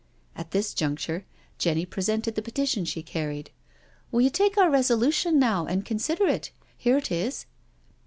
At this juncture Jenny presented the petition she carried. " Will you take our Resolution now and consider it? Here it is."